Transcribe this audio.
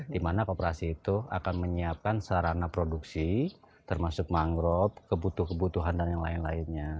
di mana koperasi itu akan menyiapkan sarana produksi termasuk mangrove kebutuhan kebutuhan dan yang lain lainnya